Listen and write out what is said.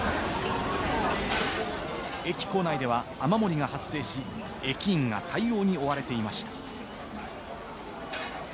駅構内では雨漏りが発生し、駅員が対応に追われていました。